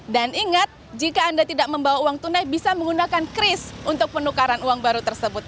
dan ingat jika anda tidak membawa uang tunai bisa menggunakan kris untuk penukaran uang baru tersebut